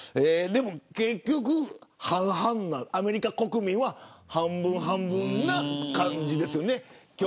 結局、アメリカ国民は半分半分な感じですよね。